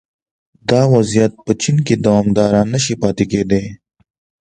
دا وضعیت په چین کې دوامداره نه شي پاتې کېدای